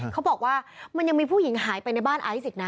เขาบอกว่ามันยังมีผู้หญิงหายไปในบ้านไอซ์อีกนะ